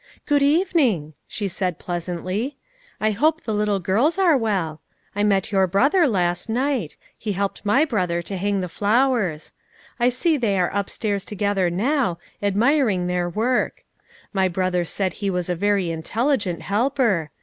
" Good evening," she said pleasantly. " I hope THE CONCERT. 261 the little girls are well ; I met your brother last night ; he helped my brother to hang the flow era. I see they are upstairs together now, ad miring their work. My brother said he was a very intelligent helper.